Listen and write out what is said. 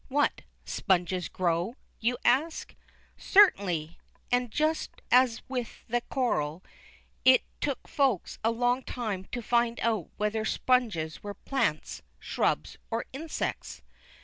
"What, sponges grow?" you ask. Certainly. And just as with the coral, it took Folks a long time to find out whether sponges were plants, shrubs, or insects.